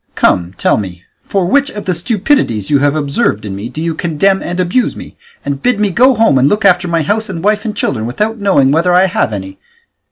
Come, tell me, for which of the stupidities you have observed in me do you condemn and abuse me, and bid me go home and look after my house and wife and children, without knowing whether I have any?